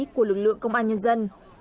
của lực lượng công an nhân dân